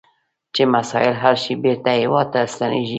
چې مسایل حل شي بیرته هیواد ته ستنیږي.